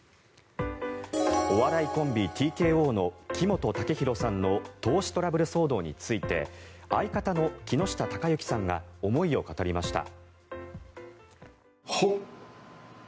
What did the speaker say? お笑いコンビ、ＴＫＯの木本武宏さんの投資トラブル騒動について相方の木下隆行さんが思いを語りました。